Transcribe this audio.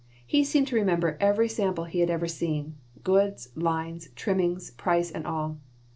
He seemed to remember every sample he had ever seen goods, lines, trimmings, price, and all.